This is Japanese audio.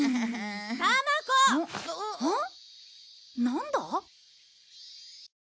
なんだ？